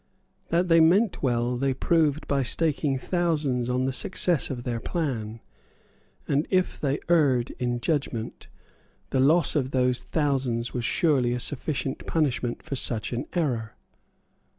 That they meant well they proved by staking thousands on the success of their plan; and, if they erred in judgment, the loss of those thousands was surely a sufficient punishment for such an error.